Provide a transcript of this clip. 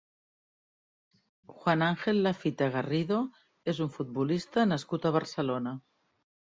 Juan Ángel Lafita Garrido és un futbolista nascut a Barcelona.